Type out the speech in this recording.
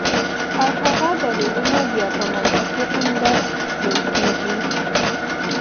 او هغه دليلونه بیا پۀ منطقي انداز تللے کيږي